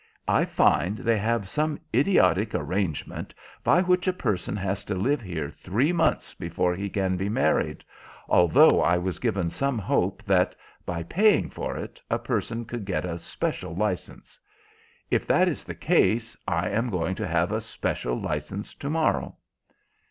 I find they have some idiotic arrangement by which a person has to live here three months before he can be married, although I was given some hope that, by paying for it, a person could get a special licence. If that is the case, I am going to have a special licence to morrow."